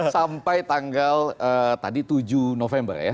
dua puluh tujuh sampai tanggal tadi tujuh november ya